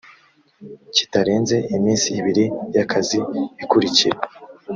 kitarenze iminsi ibiri y akazi ikurikira